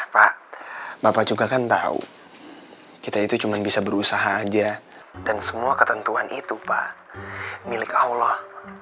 pak bapak juga kan tahu kita itu cuma bisa berusaha aja dan semua ketentuan itu pak milik allah